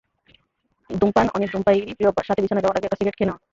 ধূমপানঅনেক ধূমপায়ীরই প্রিয় অভ্যাস রাতে বিছানায় যাওয়ার আগে একটা সিগারেট খেয়ে নেওয়া।